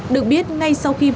được biết ngay sau khi vận tải